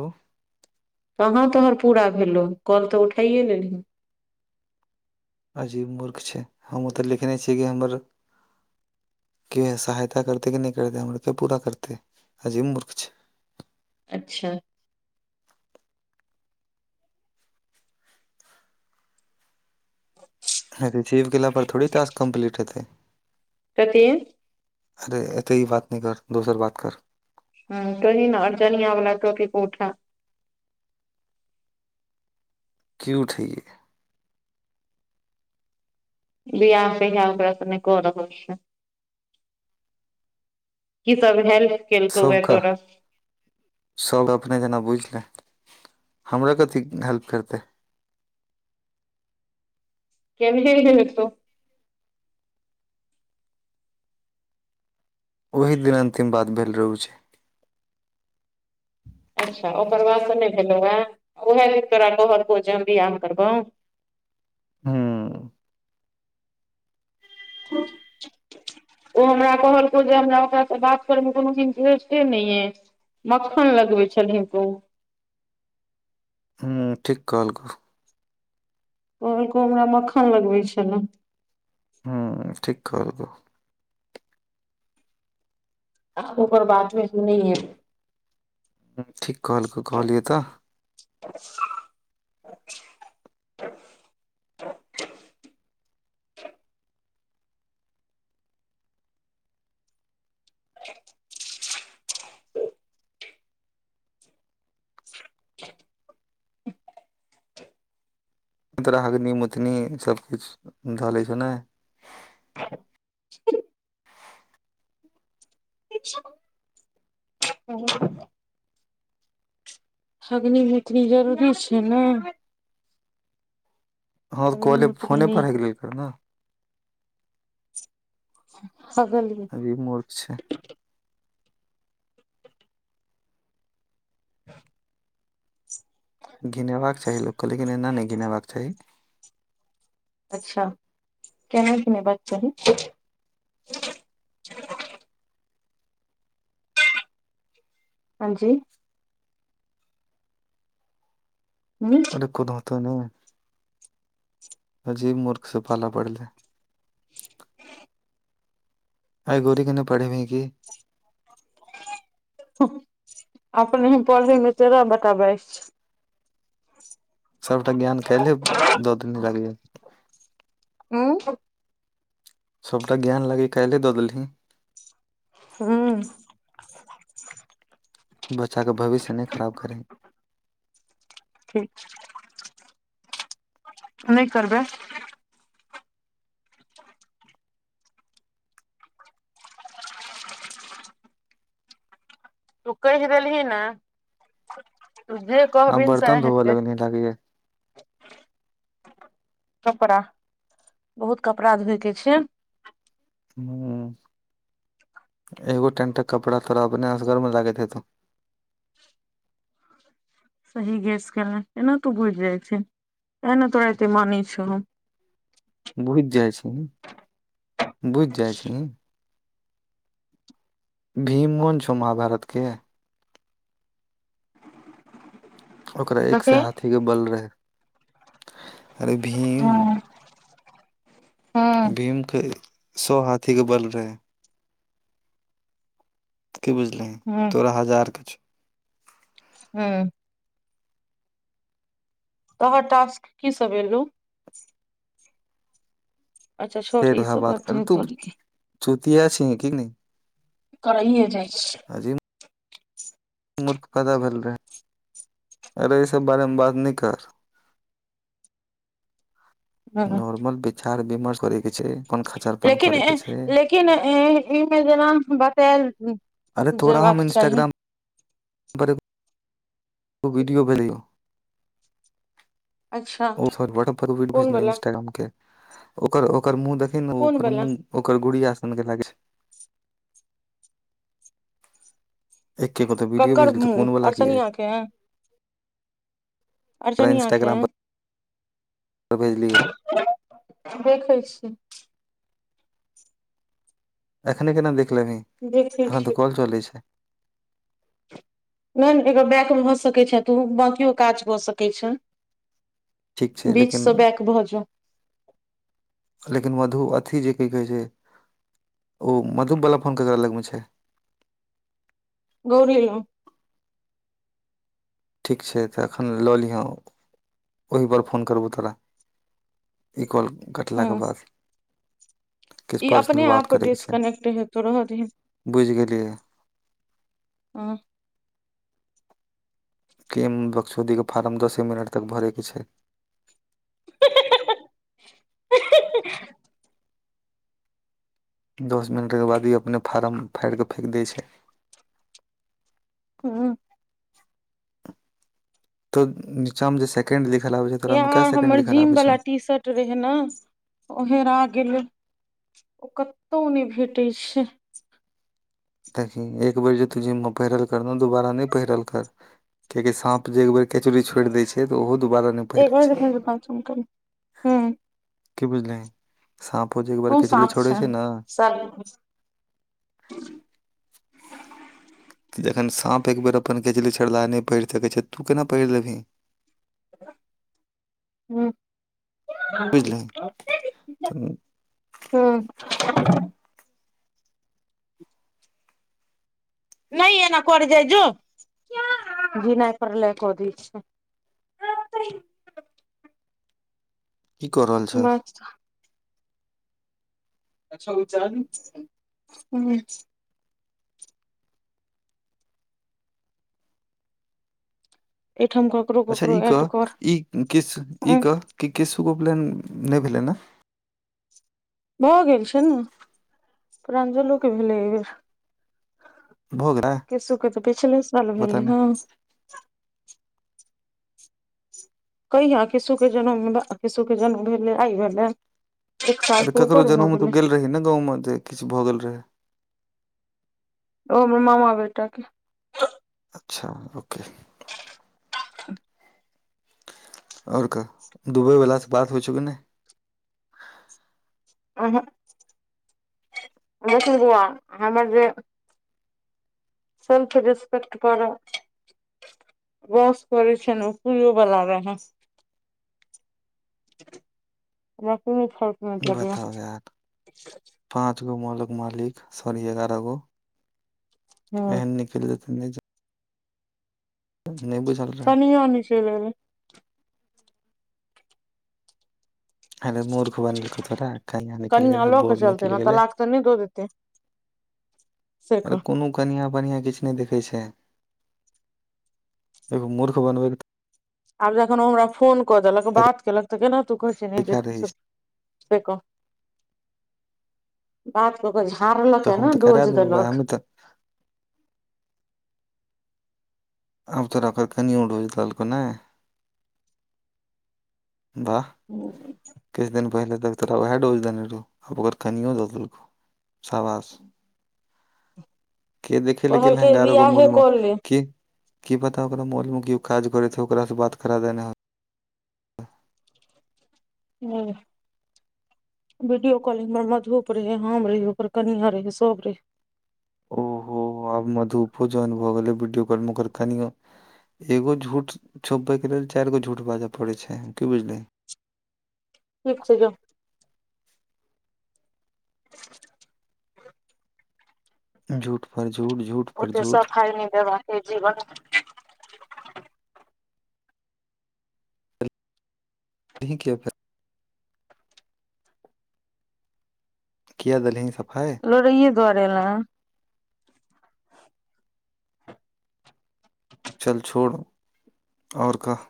hello कहाँ तोहर पूरा भेलो कॉल तऽ उठाइये लेलहि अजीब मूर्ख छै हम ओ तऽ लिखने छियै कि हमर किह सहायता करतै कि नहि करते हमलोगके पूरा करतै अजीब मूर्ख छै अच्छा ह [inaudible] थ रिसीव केला पर थोड़े टास्क कंप्लीट हेतै [unintelligible] हरे ऐतय ई बात नहि कर दोसर बात कर हँ तही ने अर्चनियाँवला टॉपिक के उठा की उठैयै बियाह कहिया करत नै क रहल छियौ की सब हेल्प केलकौए तोरा सभ अपने जेना बुझ लहिन हमरे कथी हेल्प करतै केनहे हेतौ ओही दिन अन्तिम बात भेल रहू छै अच्छा ओकर बाद से नहि भेलौहें उहे दिन तोरा कहलकौ जे हम बियाह करबौ हूंम्म ह [inaudible] ओ हमरा कहलकौ जे हमरा ओकरासँ बात करयमे कोनो इंटरेस्टे नहि यऽ मक्खन लगबै छलहींन तु हूँ ठीक कहल कौ कहलको हमरा मक्खन लगबै छलए हूंम्म ठीक कहलकौ आ ओकर बातमे सुनी है ठीक कहलकौ कहलियौ तऽ [unintelligible] तोरा हग्नि मुतनी सभ किछु धऽ लै छौ ने अच्छा [inaudible] [unintelligible] हगनी मुतनी जरूरी छै ने हँ कले अग्निहोत्री फोने पर नहि हैग लैते ने [unintelligible] मुर्ख छै [unintelligible] घिनेबाक चाही लोकके लेकिन एना नहि घिनेबाक चाही अच्छा केना केना घिनेबाक चाही हँ जी हुँ कोनो होत नहि अजीब मुर्ख से पाला पड़लै [unintelligible] अइ गोरी के नहि पढ़ेबहीं की हुं अपने पढ़ैमे तोरा बताबै सबटा ज्ञान कैल्हि दऽ देने रहिं हूं सभटा ज्ञान लागैए काल्हि दऽ देलहींन हूँ बच्चाके भविष्य नहि खराब करहिं ठीक छै नहि करबै तू कहि देलही ने तू जे कहबी हींन सएह हेतै लागए कपड़ा बहुत कपड़ा धोए के छै ह एगो टेंटक कपड़ा थोड़ा अपने असगरमे लागैत हेतौ सही गेस केलें एना तू बुझि जाय छहीं तैं ने तोरा एते मानै छियौ हम बुझि जाइ छी बुझि जाइ छीहिं भीम मोन छौ महाभारतके ओकरा एक कथी सय हाथी के बल रहे अरे भीम हूं हूं भीम के सो हाथी के बल रहेै की बुझ लिहि हूं तोरा हजार के छौ हूंम्म तोहर टास्क की सब एलौ अच्छा छोर फेर ई वएह सब बात अरे नै तू करैके हय चुतिया छी कि नहि करैए जाइ छै अजीब मूर्ख पदा भेल रहे अरे ई सब बारम बार नै कर हूं नॉर्मल विचार विमर्श करे के छै कोन खचर पन करे के छै के नै एंह इमे जेना बतायल अरे तोरा हम जेबाक चाही इन्टाग्राम पर [unintelligible] ओ वीडियो भेलियौ अच्छा ओड कोन भेजलै वला इंस्टाग्राम के [unintelligible] ओकर ओकर मुंह देखे ने कोन ओकर वला मुह ओकर गुड़ीया सन के लागै छै छै एके गो तऽ वीडियो केकर भेजल तऽ मुंह कोन वाला की होइ छै अर्चनिया के है तोरा अर्चनियाँ के इंस्टाग्राम पर भेजलियौ देखै छी एखने केना देख लेबही देखै एखन छी द कल चलै छै नहि एकर बैक भऽ सकै छै तुऽ ओ बकियो काज कऽ सकै छै ठीक छै लेकिन बीचसँ बैक भजो लेकिन मधु अथी जे की कहे छै ओ मधु बलफन के करा लग मे छै गौरी लग ठीक छै तऽ एखन लऽ लिहौ ओहिपर फोन करबौ तोरा ई काॅल कटलाके हूँ बाद किछु ई पर्सनल अपने बात आप करैके छै डिस्कनेक्ट हेतौ रहदही बुझि गेलियै हँ किम बक्सौदीके फारम दसे मिनट तक भरैके छै दस मिनटके बाद ई अपने फार्म फाइड़ कऽ फेक दै छै ह्म त नीचामे जे सेकंड लिखल आबै छै तोरामे कै सेकंड लिखल आबै छौ ट्रेन ओहेरा गेल ओ कतहु नहि भेटै छै ताकि एक बेर जे तू जिममे पहिरल कर ने दुोबारा नहि पहिरल कर [unintelligible] कियाे स सांप जे एक केचड़ी छोइड़ दैय छै से तऽ ओहो दुबारा नहि एक पहिरै ब छै देख पचम ह [unintelligible] की बुझलहि साँपो जे तू साँप छै ने स त जखन साँप एक बेेर अपन केचली छोड़लाहा नहि पहिड़ सकैत छै तू केना पहिर लेबही ह्म बुझलही [unintelligible] तऽ ह्म नहि एना करै जाइ जो जीनाइ परलै क दै छै ह [unintelligible] की कऽ रहल छें बस चान ह [unintelligible] एहिठाम क अच्छा ई के ई किस ई हूँ के क किशु उपनयन नहि भेलै ने भऽ गेल छै ने प्रंजलो के भेलै अइ बेर भऽ गेलै किसुके तऽ पिछले साल पता नहि भेलैहँ कहिया किशु के जन्म किशु के जन्म भेले आइ भेलै एक साल आर से ककरो ऊपर भऽ जनेउमे तऽ गेलै गेल रही ने गाँवमे जे किछ भऽ गेल रहै ओ हमर मामा बेटा के अच्छा ओके आओर कह दुबइवलासँ बात होइ छौ की नहि अहन् सुन हमर जे सेेल्फ रिस्पेक्ट कर बस कर छै ओ पूयो वाला रह है हमरा कोनो फर्क नहि बताउ यार परैये पाँच गो मलक मालिक सॉरी एगारह गो ह एहन निकल देतै ने नहि बुझ कनिया नहि चैल एलै अरे मूर्ख बनेलको तोरा कहिया निकलि कनियाँ गेले लऽ के बोर्ड चलते निकलि ने गेले तलाक तऽ नहि द देते [inaudible] से अरे कह कोनो कनियाँ मनियाँ किछ नै देखै छै एगो मूर्ख आब जखन ओ हमरा फोन कऽ देलक बात कयलक तऽ केना तू कहै छै नहि जे तरीका रहै छै से कह बात क के झारलक तऽ हे हम ने तऽ करा डोज देबौ भाय देलक हमे तऽ अब तोरा पर कनियो ठोज छै दाल को नहि वाह हूंम्म किछु दिन पहिले तक तोरा वएह डोज देने रहौ आब ओकर कनियो दऽ देलकौ सावास के देख ल कि कहलकै लहेंगारोे बियाहे मूलमे कऽ ले कि की पता ओकरा मोल मे कियो काज करे हे ओकास से बात करा देना ह हूंम्म [inaudible] वीडियो कॉलिंगर मधुप रहे हम रहे ओकर कनियाँ रहे सब रहे ओहो हो आब मधुपो ज्वाइन भऽ गेलै वीडियो कॉल मे कनियों एगो झूठ छोपबैके लेल चारि गो झूठ बाजऽ पड़ैत छै की बुझलही ठीक छै जो [inaudible] झूठ पर झूठ झूठ पर झूठ पाई नहि देबा से जीवन ठीके फर किया दलहनी सफाइ लोड़ैये दुआरे एलेह़ ल चल छोड़ आओर कह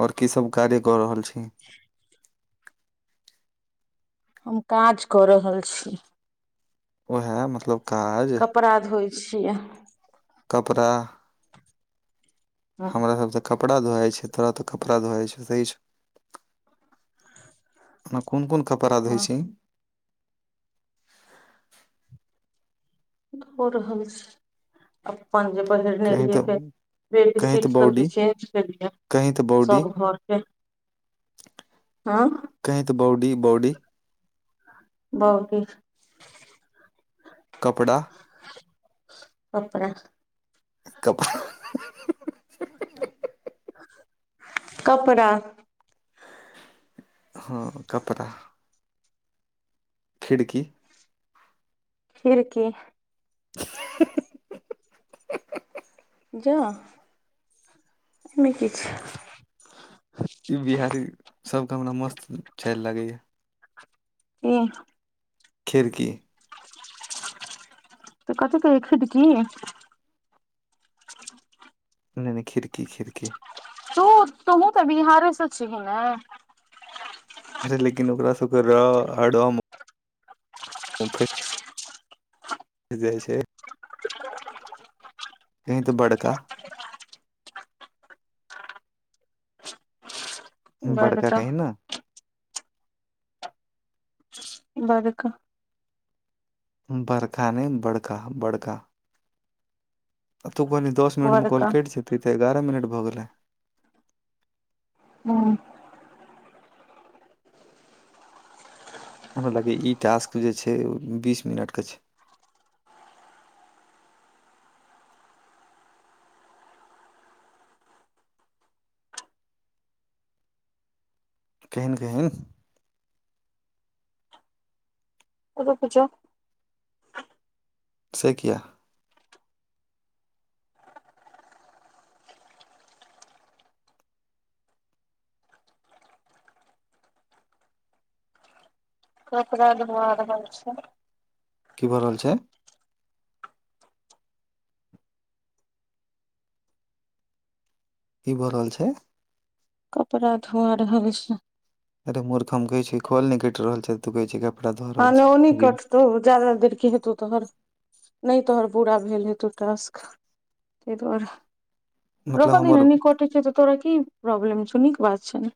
आओर की सब कार्य कऽ रहल छी हम काज कऽ रहल छी ओ ह मतलब काज कपडा़ धोइ छियै कपड़ा हँ हमरा सब त कपड़ा धोवइ छै तो तऽ कपड़ा धोइ छै सही छै और क कोन कोन कपड़ा द होैत छै धो रहल छी अपन कहीं नेरीए तऽ फेर बे कहीं सीट तऽ सब बॉडी चेज करए कहीं तऽ बॉडी सब घरके हँ कहिं तऽ बॉडी बॉउडी बॉउडी कपड़ा कपड़ा कपड़ा कपड़ा हँ कपड़ा खिड़की खिड़की [inaudible] जा एसमे कि छै इई बिहारी सब के हमरा मस्त च लागे ये ऐंह खिड़की तऽ कथी कह एक खिड़की नहि नहि खिड़की खिड़की तू तुहु तऽ बिहारसँ छिही ने छै लेकिन ओकरा सब के र रम उफै जाइ छै कहीं तऽ बड़का बड़का कही ने बड़का बड़खा ने बड़का बड़का तू बने दस मिनटमे कॉल बड़का कैट जेतै तऽ एगारह मिनट भऽ गेलै हूंम्म हमरा लागे ई टास्क जे छै बीस मिनट के छै केन कहीन रुकि जो से किया कपड़ा धुआ रहल छै की भऽ रहल छै की भऽ रहल छै कपड़ा धोआ रहल छै अरे मूर्ख हम कहै छी कल नहि कैट रहल छै तुऽ कहैछी कपड़ा धुआ आ न ओ नीकट तो जायदा देर कि हेतौ तोहर नहि तोहर पुरा भेल हेतौ टास्क त दुआर रखऽ मतलब दही ने हमर नै कटै छै तऽ तोरा की प्रॉब्म छौ नीक बात छै ने